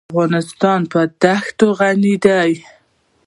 افغانستان په دښتې غني دی.